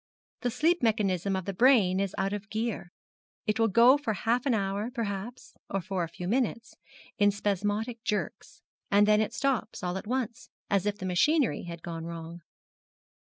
The sleep mechanism of the brain is out of gear. It will go for half an hour, perhaps, or for a few minutes, in spasmodic jerks: and then it stops all at once, as if the machinery had gone wrong.